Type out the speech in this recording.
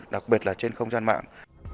đặc biệt là trên không gian mạng